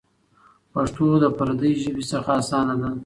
پښتو د پردۍ ژبې څخه اسانه ده.